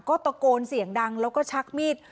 ก็ตะโกนเสียงดังแล้วก็ชักมีด